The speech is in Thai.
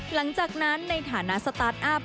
หลังจากนั้นในฐานะสตาร์ทอัพ